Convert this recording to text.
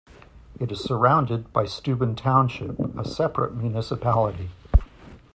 It is surrounded by Steuben Township, a separate municipality.